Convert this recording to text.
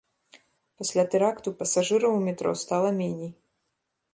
Пасля тэракту пасажыраў у метро стала меней.